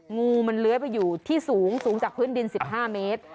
งูมันเลื้อยไปอยู่ที่สูงสูงจากพื้นดิน๑๕เมตร